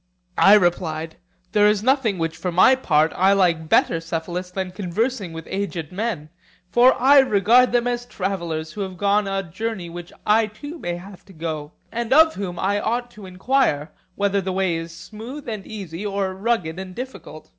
I replied: There is nothing which for my part I like better, Cephalus, than conversing with aged men; for I regard them as travellers who have gone a journey which I too may have to go, and of whom I ought to enquire, whether the way is smooth and easy, or rugged and difficult.